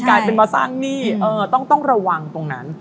กลายเป็นมาสร้างหนี้ต้องระวังตรงนั้น